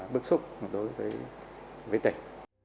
bức xúc đối với tỉnh